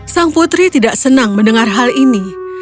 sang putri tidak senang mendengar hal ini